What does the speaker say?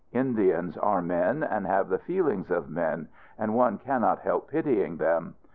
Indians are men, and have the feelings of men; and one cannot help pitying them.